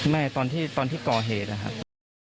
ไม่ตอนที่ก่อเหตุนะครับ